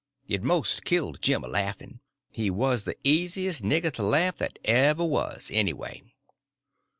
It most killed Jim a laughing. He was the easiest nigger to laugh that ever was, anyway.